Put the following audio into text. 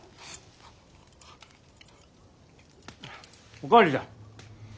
お代わりじゃ！